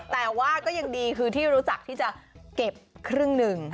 แต่ว่าก็ยังดีคือที่รู้จักที่จะเก็บครึ่งหนึ่ง